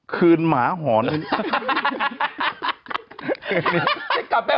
เขาบอกว่า